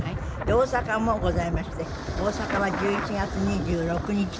大阪もございまして大阪は１１月２６日です。